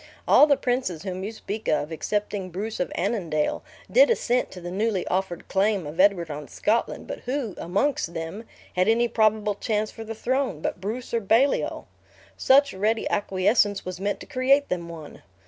All the princes whom you speak of, excepting Bruce of Annandale, did assent to the newly offered claim of Edward on Scotland; but who, amongst them, had any probable chance for the throne, but Bruce or Baliol? Such ready acquiescence was meant to create them one.